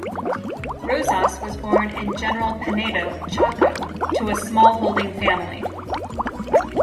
Rozas was born in General Pinedo, Chaco, to a smallholding family.